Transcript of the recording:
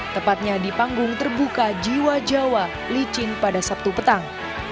tepatnya di panggung terbuka jiwa jawa licin pada sabtu petang